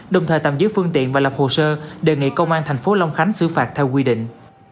đồng thời tạm giữ phương tiện và lập hồ sơ đề nghị công an thành phố long khánh xử phạt theo quy định